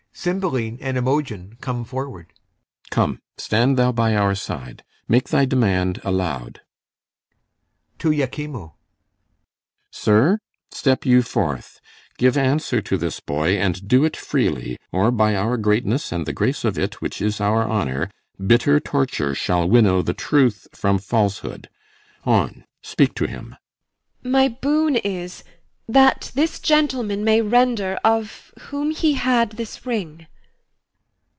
[CYMBELINE and IMOGEN advance] CYMBELINE. Come, stand thou by our side; Make thy demand aloud. [To IACHIMO] Sir, step you forth; Give answer to this boy, and do it freely, Or, by our greatness and the grace of it, Which is our honour, bitter torture shall Winnow the truth from falsehood. On, speak to him. IMOGEN. My boon is that this gentleman may render Of whom he had this ring.